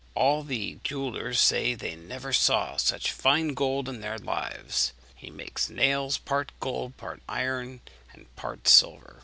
All the jewellers say they never saw such fine gold in their lives. He makes nails, part gold, part iron, and part silver.